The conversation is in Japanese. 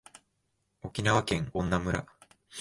沖縄県恩納村